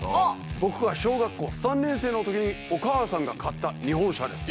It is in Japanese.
僕が小学校３年生のときにお母さんが買った日本車です。